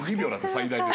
最大で。